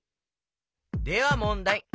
ではもんだい。